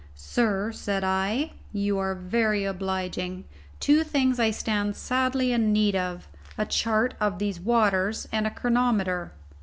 "Sir," said I, "you are very obliging. Two things I stand sadly in need of: a chart of these waters and a chronometer."